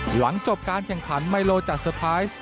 หลังจบการแข่งขันไมโลจัดเตอร์ไพรส์